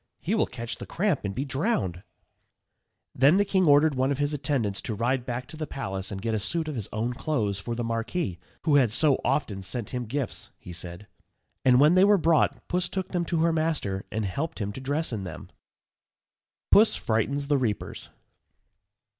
He will catch the cramp and be drowned." [Illustration: PUSS THREATENS THE REAPERS.] Then the king ordered one of his attendants to ride back to the palace and get a suit of his own clothes for the marquis, "who had so often sent him gifts," he said. And when they were brought, Puss took them to her master, and helped him to dress in them. _PUSS FRIGHTENS THE REAPERS.